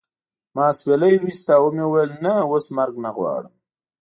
ما اسویلی وایست او و مې ویل نه اوس مرګ نه غواړم